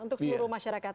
untuk seluruh masyarakat